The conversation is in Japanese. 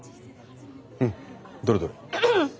うんどれどれ。